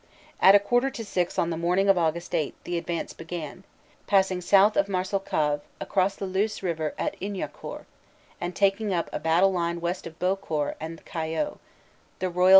At a quarter to six on the morning of Aug. 8 the advance began, passing south of Marcelcave across the Luce River at Ignaucourt, and then taking up a battle line west of Beaucourt and Cayeux, the R.C.